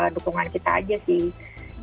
dukungan kita aja sih